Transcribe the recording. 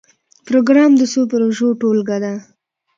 پروګرام د څو پروژو ټولګه ده